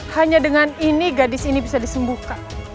hanya dengan ini gadis ini bisa disembuhkan